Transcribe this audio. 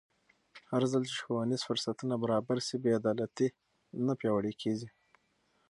هرځل چې ښوونیز فرصتونه برابر شي، بې عدالتي نه پیاوړې کېږي.